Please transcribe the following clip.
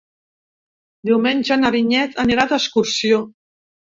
Diumenge na Vinyet anirà d'excursió.